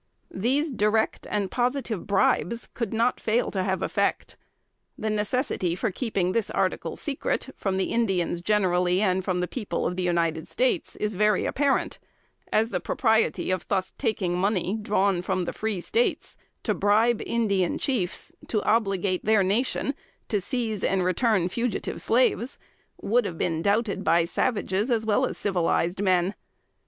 These direct and positive bribes could not fail to have effect. The necessity for keeping this article secret from the Indians generally, and from the people of the United States, is very apparent; as the propriety of thus taking money, drawn from the free States to bribe Indian chiefs to obligate their nation to seize and return fugitive slaves, would have been doubted by savages as well as civilized men.